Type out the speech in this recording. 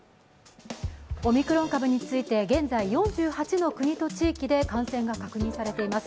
オミクロン株について現在、４８の国と地域で感染が確認されています。